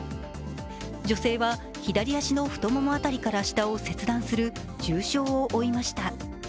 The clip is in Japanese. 女性は左足の太もも辺りから下を切断する重傷を負いました。